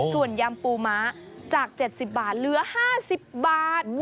ส่วนยำปูม้าจาก๗๐บาทเหลือ๕๐บาท